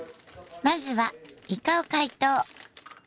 まずはイカを解凍。